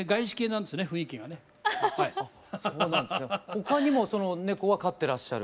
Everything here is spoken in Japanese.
他にもネコは飼ってらっしゃる？